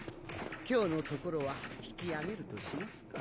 今日のところは引き揚げるとしますか。